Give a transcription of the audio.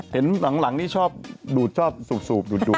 หลังนี่ชอบดูดชอบสูบดูด